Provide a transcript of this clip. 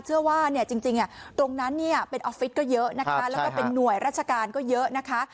เชื่อว่าเนี่ยจริงตรงนั้นเนี่ยเป็นออฟฟิศก็เยอะนะคะแล้วก็เป็นหน่วยราชการก็เยอะนะคะ